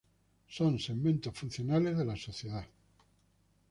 Son segmentos funcionales de la sociedad.